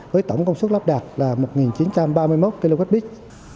với tổng công suất lắp đặt là một chín trăm ba mươi một kwh